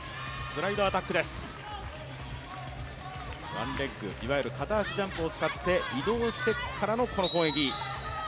ワンレッグ、いわゆる片足ジャンプを使って移動してからのこの攻撃。